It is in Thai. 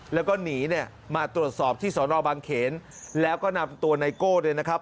แล้วก็หนีเนี่ยมาตรวจสอบที่สอนอบางเขนแล้วก็นำตัวไนโก้เนี่ยนะครับ